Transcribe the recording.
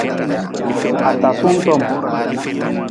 Atasung tom.